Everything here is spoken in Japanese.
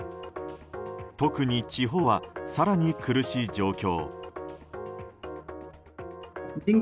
特に地方は更に苦しい状況。